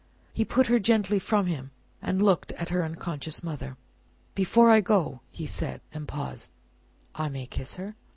He put her gently from him, and looked at her unconscious mother. "Before I go," he said, and paused "I may kiss her?"